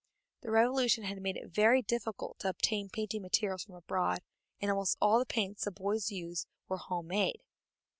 The Revolution had made it very difficult to obtain painting materials from abroad, and almost all the paints the boys used were home made.